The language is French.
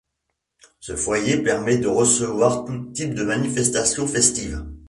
Ce foyer permet de recevoir tous types de manifestations festives.